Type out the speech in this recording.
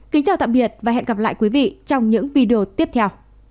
kính chào tạm biệt và hẹn gặp lại quý vị trong những video tiếp theo